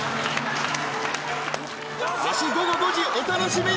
明日午後５時お楽しみに！